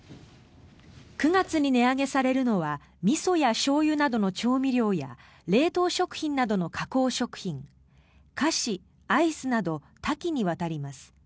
９月に値上げされるのはみそやしょうゆなどの調味料や冷凍食品などの加工食品菓子、アイスなど多岐にわたります。